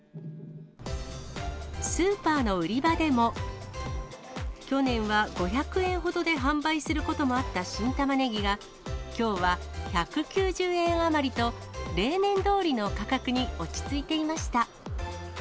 スーパーの売り場でも、去年は５００円ほどで販売することもあった新たまねぎが、きょうは１９０円余りと、例年どおりの価格に落ち着いていました。